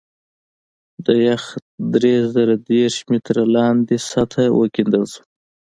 د یخ درې زره دېرش متره لاندې سطحه وکیندل شوه